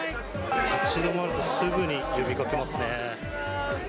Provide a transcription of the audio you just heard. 立ち止まると、すぐに呼びかけますね。